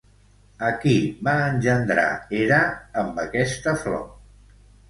A qui va engendrar Hera amb aquesta flor?